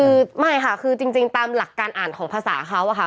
คือไม่ค่ะคือจริงตามหลักการอ่านของภาษาเขาอะค่ะ